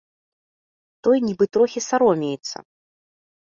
Той нібы трохі саромеецца.